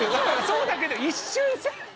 そうだけど一瞬さ。